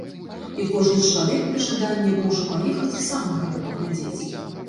І кожны чалавек пры жаданні можа паехаць і сам на гэта паглядзець.